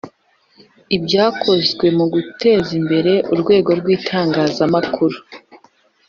Ibyakozwe mu guteza imbere urwego rw itangazamakuru